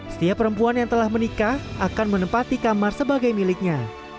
setiap perempuan yang telah menikah akan menempati kamar sebagai miliknya